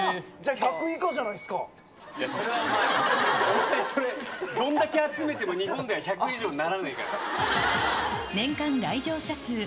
あー、じゃあ、お前、それはどんだけ集めても、日本では１００以上にならないから。